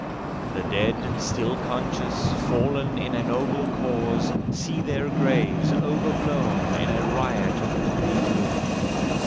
The dead, still conscious, fallen in a noble cause, see their graves overblown in a riot of poppy bloom.